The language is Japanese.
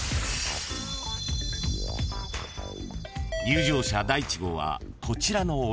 ［入場者第一号はこちらの親子］